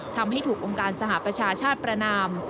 ทำให้ถูกองค์การสหประชาชาติประนาม